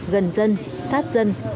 gần dân sát dân